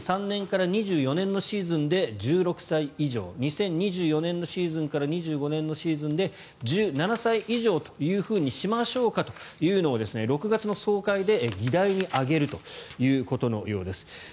２０２３年の２０２４年のシーズンで１６歳以上２０２４年のシーズンから２５年のシーズンで１７歳以上というふうにしましょうかというのを６月の総会で議題に挙げるということのようです。